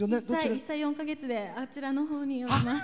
１歳４か月であちらのほうにおります。